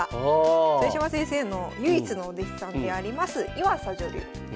豊島先生の唯一のお弟子さんであります岩佐女流。